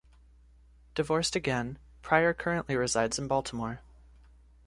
Divorced again, Pryor currently resides in Baltimore.